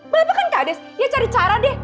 bapak kan kades ya cari cara deh